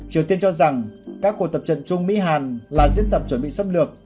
triều tiên cho rằng các cuộc tập trận chung mỹ hàn là diễn tập chuẩn bị xâm lược